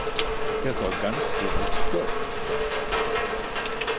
Er soll ganzjährig geöffnet sein.